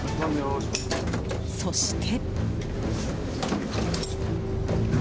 そして。